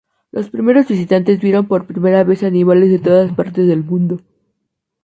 Los primeros visitantes vieron por primera vez animales de todas partes del mundo.